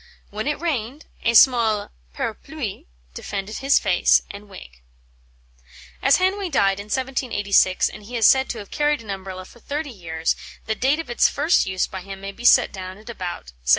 When it rained, a small parapluie defended his face and wig." As Hanway died in 1786, and he is said to have carried an Umbrella for thirty years, the date of its first use by him may be set down at about 1750.